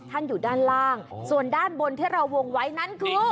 อยู่ด้านล่างส่วนด้านบนที่เราวงไว้นั้นคือ